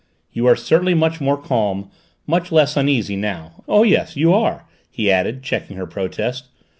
You are certainly much more calm, much less uneasy now. Oh, yes, you are!" he added, checking her protest.